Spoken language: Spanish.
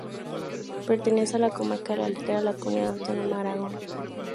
Pertenece a la comarca de La Litera, en la comunidad autónoma de Aragón.